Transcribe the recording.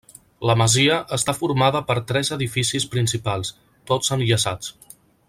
La masia està formada per tres edificis principals, tots enllaçats.